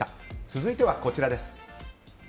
続いてはこちらです。